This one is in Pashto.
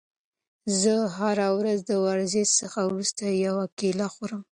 زه هره ورځ د ورزش څخه وروسته یوه کیله خورم.